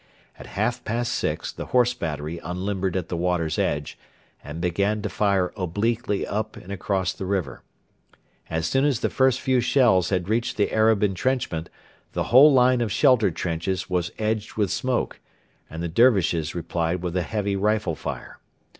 At half past six the Horse battery unlimbered at the water's edge, and began to fire obliquely up and across the river. As soon as the first few shells had reached the Arab entrenchment the whole line of shelter trenches was edged with smoke, and the Dervishes replied with a heavy rifle fire.